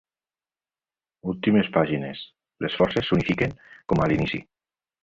Últimes pàgines, les forces s'unifiquen, com a l'inici.